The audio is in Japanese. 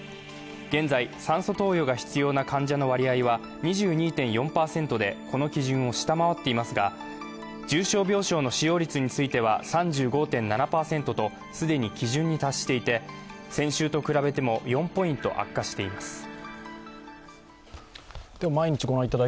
現在、酸素投与が必要な患者の割合は２２．４％でこの基準を下回っていますが、重症病床の使用率については３５．７％と既に基準に達していて、先週と比べても４ポイント悪化しています。